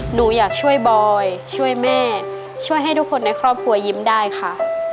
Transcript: หนูอยากช่วยบอยช่วยแม่ช่วยให้ทุกคนในครอบครัวยิ้มได้ค่ะ